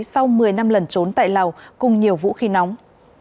sau một mươi năm lần trốn tại lào cùng nhiều vũ khí nóng